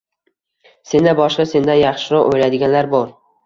Sendan boshqa, sendan yaxshiroq o‘ylaydiganlar bor.